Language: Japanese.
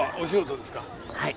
はい。